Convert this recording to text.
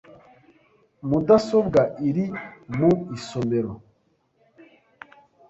Mudasobwa iri mu isomero .